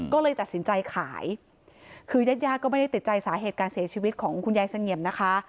ก็เลยตัดสินใจขายคือยาดก็ไม่ได้ติดใจสาเหตุการเสียชีวิตของคุณยายเสงี่ยมนะคะ